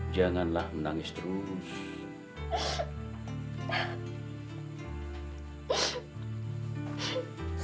janganlah menangis terus